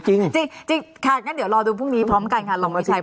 จริงค่ะเดี๋ยวรอดูพรุ่งนี้พร้อมกันค่ะลองวิชัยพอ